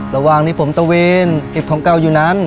ระหว่างที่ผมตะเวนเก็บของเก่าอยู่นั้น